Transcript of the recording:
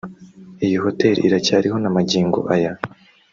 Iyi hotel iracyariho na magingo aya